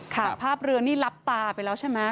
ภาพเรือนี่รับตาไปแล้วใช่ไหม